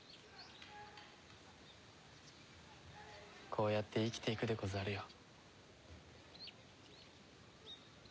こうやって生きて行くでござるよ。